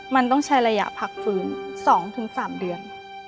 มันต้องใช้ระยะพักฟื้น๒๓เดือน